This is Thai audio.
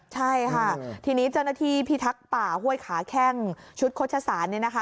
ใช่ค่ะทีนี้เจ้าหน้าที่พิทักษ์ป่าห้วยขาแข้งชุดโฆษศาลเนี่ยนะคะ